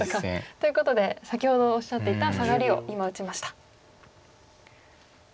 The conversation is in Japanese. ということで先ほどおっしゃっていたサガリを今打ちました。